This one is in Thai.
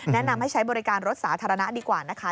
แนะนำให้ใช้บริการรถสาธารณะดีกว่านะคะ